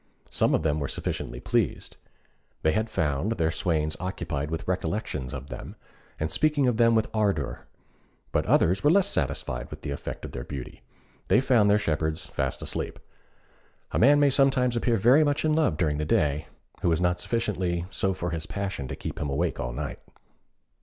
Some of them were sufficiently pleased. They had found their swains occupied with recollections of them, and speaking of them with ardour, but others were less satisfied with the effect of their beauty. They found their shepherds fast asleep. A man may sometimes appear very much in love during the day, who is not sufficiently so for his passion to keep him awake all night.